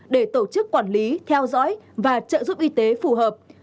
để tổ chức quản lý theo dõi và trợ giúp y tế phù hợp